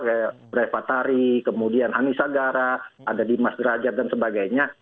kayak breva tari kemudian hanis agara ada dimas gerajat dan sebagainya